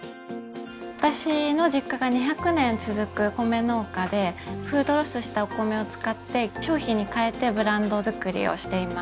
私の実家が２００年続く米農家でフードロスしたお米を使って商品にかえてブランドづくりをしています